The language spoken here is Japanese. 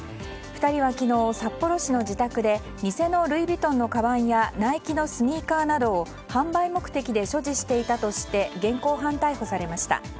２人は昨日、札幌市の自宅で偽のルイ・ヴィトンのかばんやナイキのスニーカーなどを販売目的で所持していたとして現行犯逮捕されました。